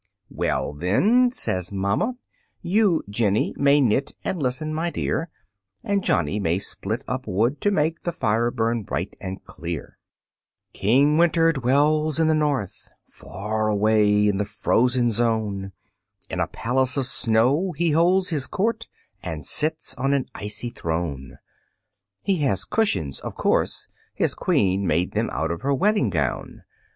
"Well then;" says mamma, "you, Jenny, May knit and listen, my dear; And Johnny may split up wood, to make The fire burn bright and clear." King Winter dwells in the North; Far away in the Frozen Zone, In a palace of snow he holds his court, And sits on an icy throne. He has cushions of course: his Queen Made them out of her wedding gown.